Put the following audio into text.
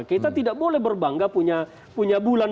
kita tidak boleh berbangga punya bulan